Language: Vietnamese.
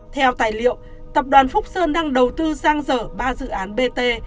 theo tài liệu tập đoàn phúc sơn đang đầu tư giang dở ba dự án bt